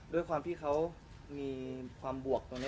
ด้วยความที่เขามีความบวกตรงนี้